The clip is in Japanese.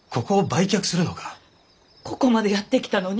ここまでやってきたのに？